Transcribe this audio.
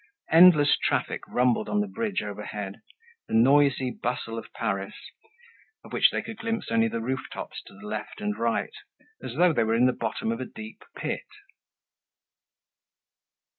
Endless traffic rumbled on the bridge overhead, the noisy bustle of Paris, of which they could glimpse only the rooftops to the left and right, as though they were in the bottom of a deep pit.